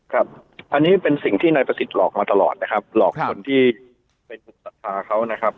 ครับอันนี้เป็นสิ่งที่นายประสิทธิ์หลอกมาตลอดนะครับหลอกคนที่เป็นศรัทธาเขานะครับ